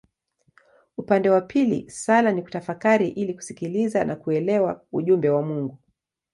Upande wa pili sala ni kutafakari ili kusikiliza na kuelewa ujumbe wa Mungu.